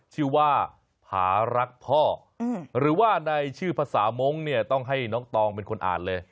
ชื่อว่าผารักพ่อหรือว่าในชื่อภาษามงค์เนี่ยต้องให้น้องตองเป็นคนอ่านเลย